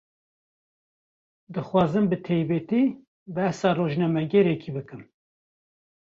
Dixwazim bi taybetî, behsa rojnamegerekî bikim